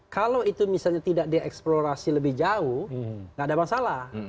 kalau itu misalnya tidak dieksplorasi lebih jauh tidak ada masalah